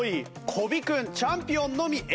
小尾君チャンピオンのみＡ。